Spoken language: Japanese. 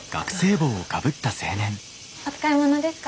お使いものですか？